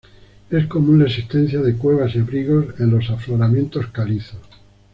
Es común la existencia de cuevas y abrigos en los afloramientos calizos.